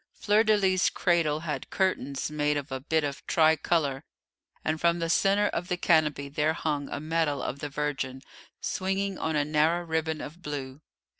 Fleur de lis's cradle had curtains made of a bit of tricolour, and from the centre of the canopy there hung a medal of the Virgin swinging on a narrow ribbon of blue.